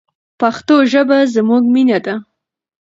پښتو ژبه زموږ مینه ده.